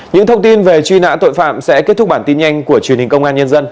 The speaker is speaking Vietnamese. những thông tin về truy nã tội phạm sẽ kết thúc bản tin nhanh của truyền hình công an nhân dân